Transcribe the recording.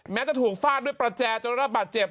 แม้จะถูกฟาดด้วยประแจจนระบัดเจ็บ